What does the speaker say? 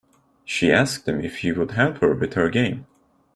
She asked him if he would help her with her game.